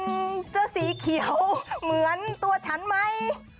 มันจะสีเขียวเหมือนตัวฉันไหม